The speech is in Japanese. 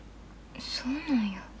そうなんや。